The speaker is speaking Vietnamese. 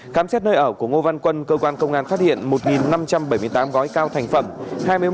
khám xét nơi ở của ngô văn quân cơ quan công an phát hiện một năm trăm bảy mươi tám gói cao thành phẩm